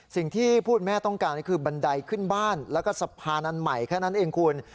สิ่งที่ผู้เป็นแม่ต้องการก็คือบันไดขึ้นบ้านแล้วก็สะพานอันใหม่แค่นั้นเองคุณ